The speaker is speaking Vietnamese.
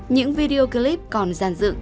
những video clip còn giản dựng